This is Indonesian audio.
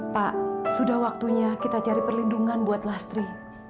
pak sudah waktunya kita cari perlindungan buat lastri